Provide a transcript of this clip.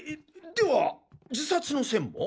では自殺の線も？